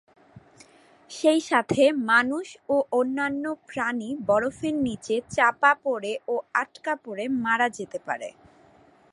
সেইসাথে মানুষ ও অন্যান্য প্রাণী বরফের নিচে চাপা পড়ে ও আটকা পড়ে মারা যেতে পারে।